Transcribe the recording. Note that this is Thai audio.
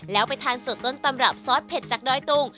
แล้วไปทานสดต้นตำรับซอสเผ็ดจากดอยตุง